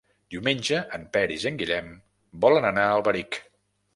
Diumenge en Peris i en Guillem volen anar a Alberic.